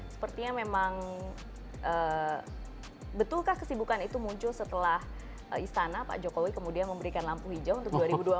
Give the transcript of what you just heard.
sepertinya memang betulkah kesibukan itu muncul setelah istana pak jokowi kemudian memberikan lampu hijau untuk dua ribu dua puluh empat